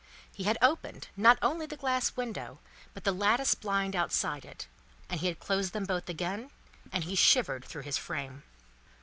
He had opened, not only the glass window, but the lattice blind outside it, and he had closed both again, and he shivered through his frame.